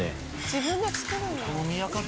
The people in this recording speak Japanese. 自分で作るんだ。